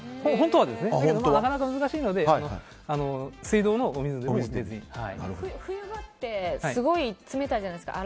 でも、なかなか難しいので水道のお水でも。冬場ってすごい冷たいじゃないですか。